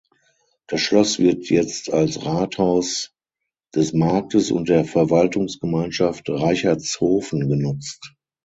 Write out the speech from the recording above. Das Schloss wird jetzt als Rathaus des Marktes und der Verwaltungsgemeinschaft Reichertshofen genutzt.